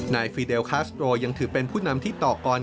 ฟีเดลคาสโตรยังถือเป็นผู้นำที่ต่อกร